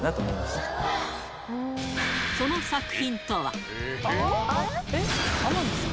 その作品とは。